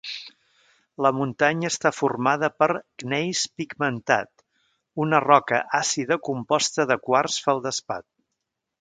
La muntanya està formada per gneis pigmentat, una roca àcida composta de quars-feldespat.